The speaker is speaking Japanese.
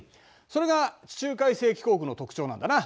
それが地中海性気候区の特徴なんだな。